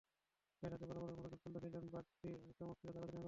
Bat হাতে বরাবরের মতোই দুর্দান্ত ছিলেন, বাড়তি চমক ছিল তাঁর অধিনায়কত্ব।